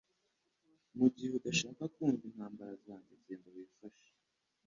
mu gihe udashaka kumva intama zanjye genda wifashe